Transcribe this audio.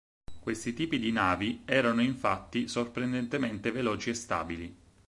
Questi tipi di navi erano infatti sorprendentemente veloci e stabili.